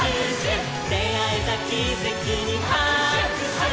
「であえたキセキにはくしゅ」「」